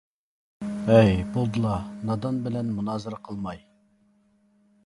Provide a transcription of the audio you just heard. ھەي. بولدىلا، نادان بىلەن مۇنازىرە قىلماي.